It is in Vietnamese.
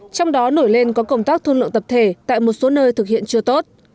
trong đó nổi lên có công tác thuân lượng tập thể tại một số nơi thực hiện chưa tốt